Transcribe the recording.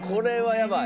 やばい。